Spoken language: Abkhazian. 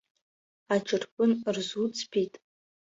Аҿырпын рзуӡбеит?